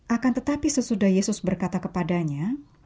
akan tetapi sesudah yesus berkata kepadanya